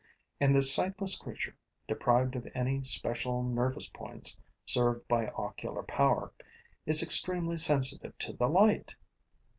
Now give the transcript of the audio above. And this sightless creature, deprived of any special nervous points served by ocular power, is extremely sensitive to the light.